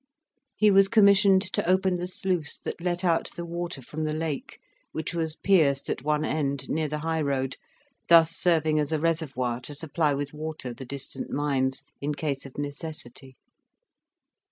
He was commissioned to open the sluice that let out the water from the lake, which was pierced at one end, near the high road, thus serving as a reservoir to supply with water the distant mines, in case of necessity.